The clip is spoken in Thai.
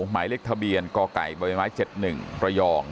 หมายเลขทะเบียนกไก่บไม้๗๑ระยอง